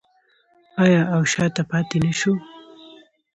آیا او شاته پاتې نشو؟